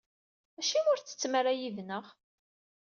Acimi ur ttettem ara yid-neɣ?